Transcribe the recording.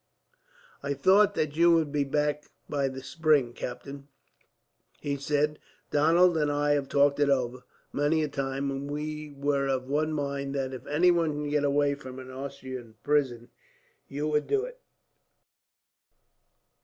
"I thought that you would be back by the spring, Captain," he said. "Donald and I have talked it over, many a time, and we were of one mind that, if any one could get away from an Austrian prison, you would do it."